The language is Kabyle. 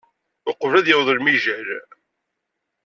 Uqbel ad yaweḍ lemijal.